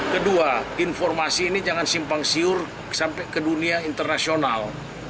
kedua informasi ini jangan simpang siur sampai ke dunia internasional